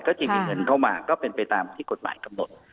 ก็จริงมีเงินเข้ามาก็เป็นไปตามที่กฎหมายกำหนด